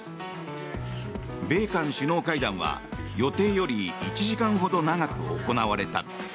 米韓首脳会談は予定より１時間ほど長く行われた。